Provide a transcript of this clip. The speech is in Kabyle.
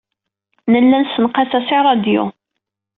Nella nessenqas-as i ṛṛadyu.